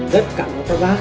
rất cảm ơn các bác